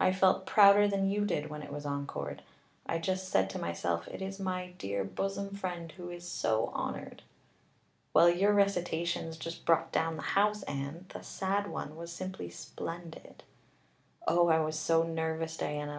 I felt prouder than you did when it was encored. I just said to myself, 'It is my dear bosom friend who is so honored.'" "Well, your recitations just brought down the house, Anne. That sad one was simply splendid." "Oh, I was so nervous, Diana.